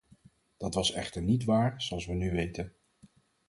Dat was echter niet waar, zoals we nu weten.